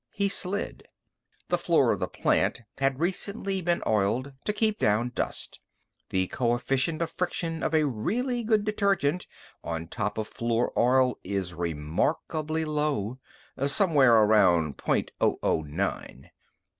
He slid. The floor of the plant had recently been oiled to keep down dust. The coefficient of friction of a really good detergent on top of floor oil is remarkably low, somewhere around point oh oh nine.